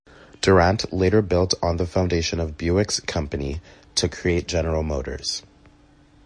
Durant later built on the foundation of Buick's company to create General Motors.